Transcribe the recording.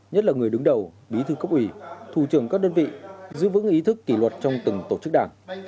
nhất là người đứng đầu bí thư cấp ủy thủ trưởng các đơn vị giữ vững ý thức kỷ luật trong từng tổ chức đảng